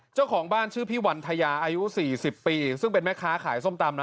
เจ้าของบ้านชื่อพี่วันทยาอายุ๔๐ปีซึ่งเป็นแม่ค้าขายส้มตำนะ